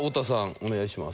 お願いします。